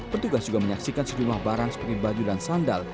petugas juga menyaksikan sejumlah barang seperti baju dan sandal